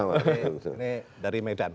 ini dari medan